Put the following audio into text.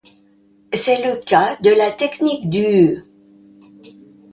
C'est le cas de la technique du '.